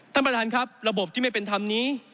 ท่านประธานครับระบบที่ไม่เป็นธรรมนี้